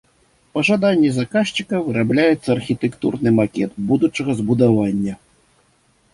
Па жаданні заказчыка вырабляецца архітэктурны макет будучага збудавання.